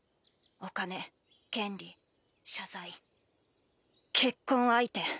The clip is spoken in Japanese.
お金権利謝罪結婚相手。